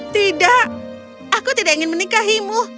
tidak aku tidak ingin menikah dengan kamu